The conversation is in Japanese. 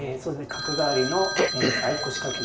角換わりの相腰掛け